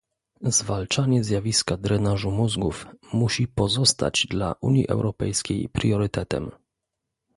Zwalczanie zjawiska drenażu mózgów musi pozostać dla Unii Europejskiej priorytetem